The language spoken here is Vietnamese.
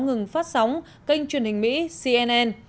ngừng phát sóng kênh truyền hình mỹ cnn